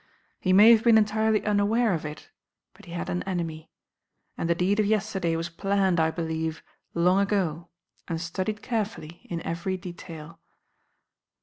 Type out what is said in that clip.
He may have been entirely unaware of it, but he had an enemy; and the deed of yesterday was planned, I believe, long ago, and studied carefully in every detail."